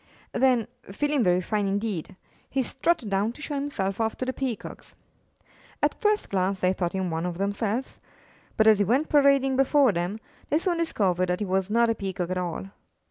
Then, feeling very fine indeed, he strutted down to show himself off to the Peacocks. At first glance they thought him one of themselves, but, as he went parading before them, they soon discovered that he was not a Peacock at all.